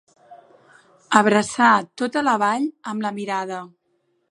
Abraçar tota la vall amb la mirada.